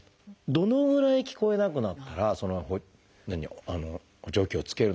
どのぐらい聞こえなくなったらその補聴器を着けるのかという。